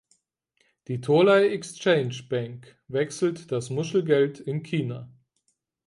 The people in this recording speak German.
Die "Tolai Exchange Bank" wechselt das Muschelgeld in Kina.